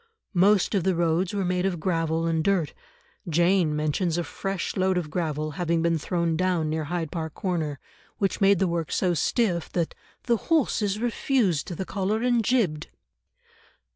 Most of the roads were made of gravel and dirt; Jane mentions a fresh load of gravel having been thrown down near Hyde Park Corner, which made the work so stiff that "the horses refused the collar and jibbed."